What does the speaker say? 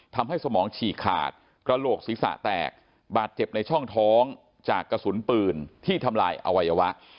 สมองฉีกขาดกระโหลกศีรษะแตกบาดเจ็บในช่องท้องจากกระสุนปืนที่ทำลายอวัยวะ